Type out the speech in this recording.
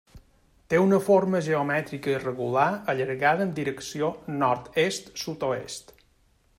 Té una forma geomètrica irregular allargada en direcció nord-est sud-oest.